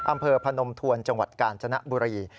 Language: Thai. อำเภอพนมทวนจังหวัดกาญจนบุรี